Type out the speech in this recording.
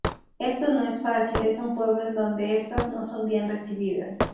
Esto no es fácil, en un pueblo en donde estas no son bien recibidas.